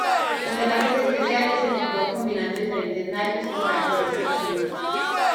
Los ataques especiales se efectúan combinando diferentes naipes con características únicas.